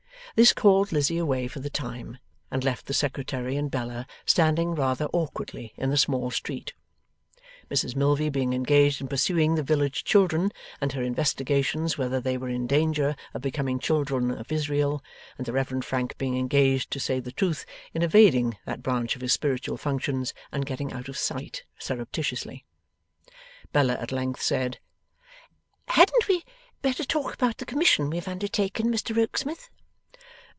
This called Lizzie away for the time, and left the Secretary and Bella standing rather awkwardly in the small street; Mrs Milvey being engaged in pursuing the village children, and her investigations whether they were in danger of becoming children of Israel; and the Reverend Frank being engaged to say the truth in evading that branch of his spiritual functions, and getting out of sight surreptitiously. Bella at length said: 'Hadn't we better talk about the commission we have undertaken, Mr Rokesmith?